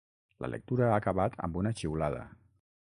La lectura ha acabat amb una xiulada.